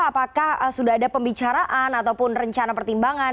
apakah sudah ada pembicaraan ataupun rencana pertimbangan